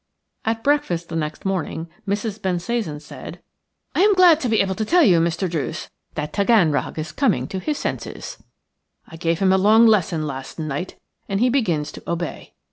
At breakfast the next morning Mrs. Bensasan said:– "I am glad to be able to tell you, Mr. Druce, that Taganrog is coming to his senses. I gave him a long lesson last night, and he begins to obey.